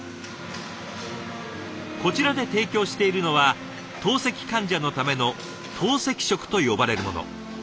こちらで提供しているのは透析患者のための透析食と呼ばれるもの。